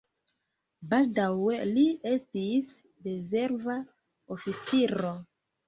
Baldaŭe li estis rezerva oficiro.